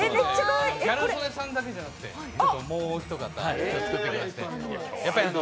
ギャル曽根さんだけじゃなくて、もう一方、作ってきまして。